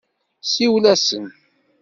Siwel-asen.